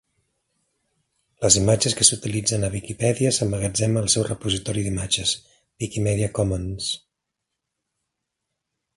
Les imatges que s'utilitzen a Viquipèdia s'emmagatzemen al seu repositori d'imatges, Wikimedia Commons.